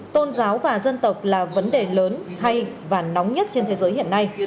tôn giáo và dân tộc là vấn đề lớn hay và nóng nhất trên thế giới hiện nay